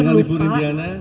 dengan ibu rindiana